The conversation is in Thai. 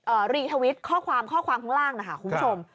รีทวิตข้อความข้อความข้างล่างนะคะคุณผู้ชม